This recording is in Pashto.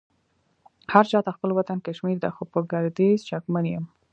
هرچا ته خپل وطن کشمير دې خو په ګرديز شکمن يم